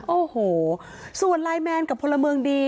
โอ้โหส่วนไลมันกับพลเมิงดี